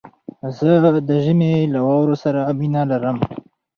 زه د ژمي له واورو سره مينه لرم